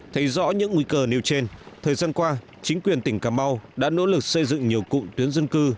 thấy rõ những nguy cơ nêu trên thời gian qua chính quyền tỉnh cà mau đã nỗ lực xây dựng nhiều cụm tuyến dân cư